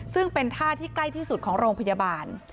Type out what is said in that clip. ซึ่งเป็นท่าที่ใกล้ที่สุดของโรงพยาบาล